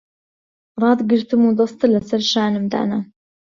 ڕاتگرتم و دەستت لەسەر شانم دانا...